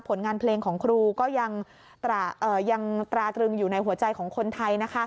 ผลงานเพลงของครูก็ยังตราตรึงอยู่ในหัวใจของคนไทย